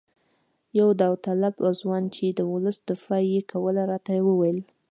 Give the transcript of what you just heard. یو داوطلب ځوان چې د ولس دفاع یې کوله راته وویل.